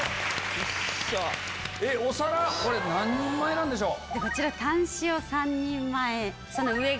お皿これ何人前なんでしょう？